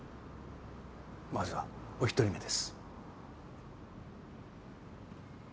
まずはお１人目です。